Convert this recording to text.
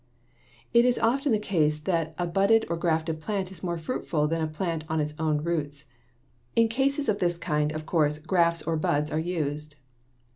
It is often the case that a budded or grafted plant is more fruitful than a plant on its own roots. In cases of this kind, of course, grafts or buds are used.